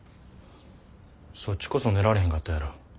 そっちこそ寝られへんかったやろ。